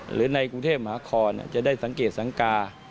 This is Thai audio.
หรือในกรุงเทพมหานครจะได้สังเกตสังกา